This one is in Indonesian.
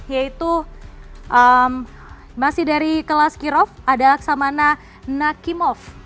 yaitu masih dari kelas kirov ada laksamana nakimov